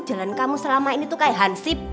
jalan kamu selama ini tuh kayak han sip